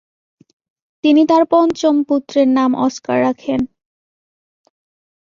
তিনি তার পঞ্চম পুথ্রের নাম অস্কার রাখেন।